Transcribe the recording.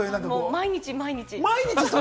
毎日毎日。